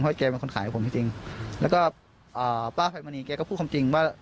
แกเป็นคนขายของผมจริงจริงแล้วก็อ่าป้าภัยมณีแกก็พูดความจริงว่า